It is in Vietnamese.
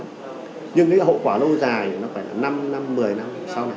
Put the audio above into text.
nhưng cái hậu quả lâu dài thì nó phải là năm năm một mươi năm sau này